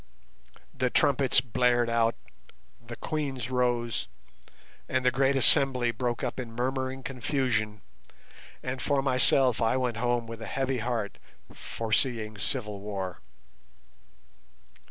The trumpets blared out, the Queens rose, and the great assembly broke up in murmuring confusion, and for myself I went home with a heavy heart foreseeing civil war.